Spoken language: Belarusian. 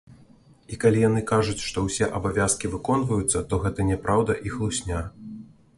І калі яны кажуць, што ўсе абавязкі выконваюцца, то гэта няпраўда і хлусня.